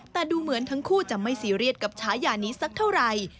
แต่ดูเหมือนทั้งคู่จะไม่ซีเรียสกับฉายานี้สักเท่าไหร่